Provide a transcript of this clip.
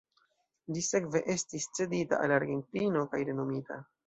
Ĝi sekve estis cedita al Argentino kaj renomita.